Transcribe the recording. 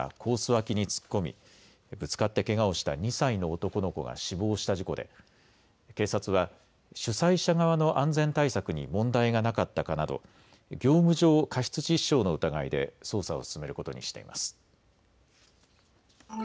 脇に突っ込みぶつかってけがをした２歳の男の子が死亡した事故で警察は主催者側の安全対策に問題がなかったかなど業務上過失致死傷の疑いで捜査を進めることにしています。